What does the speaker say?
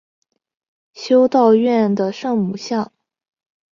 修道院的圣母像。